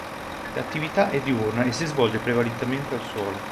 L'attività è diurna e si svolge prevalentemente al suolo.